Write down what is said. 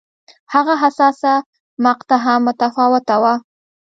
هغه حساسه مقطعه هم متفاوته وه.